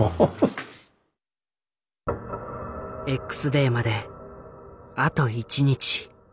Ｘデーまであと１日。